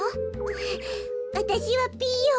ふうわたしはピーヨン。